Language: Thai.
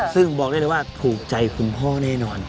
ซึ่งบอกได้เลยว่าถูกใจคุณพ่อแน่นอน